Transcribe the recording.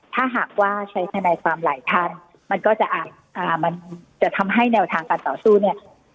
ถ้าหากว่าใช้ทนายความหลายท่านมันก็จะมันจะทำให้แนวทางการต่อสู้เนี่ย